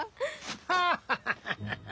ハッハハハハ！